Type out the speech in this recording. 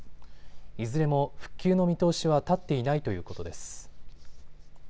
いずれも復旧の見通しは立っていないということです。